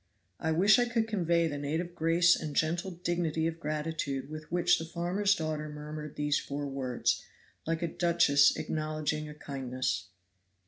I wish I could convey the native grace and gentle dignity of gratitude with which the farmer's daughter murmured these four words, like a duchess acknowledging a kindness.